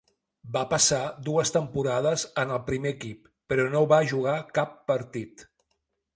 Va passar dues temporades en el primer equip, però no va jugar cap partit.